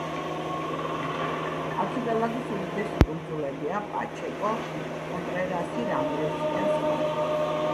არქიპელაგის უდიდესი კუნძულებია პაჩეკო, კონტრერასი, რამირესი და სხვა.